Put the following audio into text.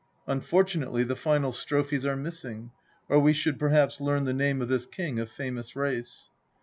Unfor tunately the final strophes are missing, or we should perhaps learn the name of this king of famous race.